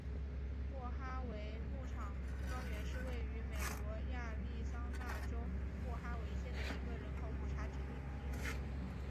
莫哈维牧场庄园是位于美国亚利桑那州莫哈维县的一个人口普查指定地区。